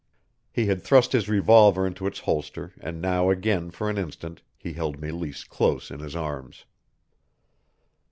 He had thrust his revolver into its holster and now again for an instant he held Meleese close in his arms.